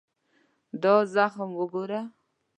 دا زخم وګوره.